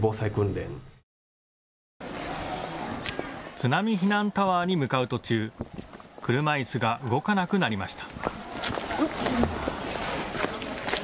津波避難タワーに向かう途中、車いすが動かなくなりました。